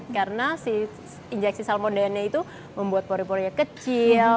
karena si injeksi salmon dna itu membuat pori porinya kecil